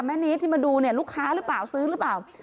แม่นิดที่มาดูเนี่ยลูกค้าหรือเปล่าซื้อหรือเปล่า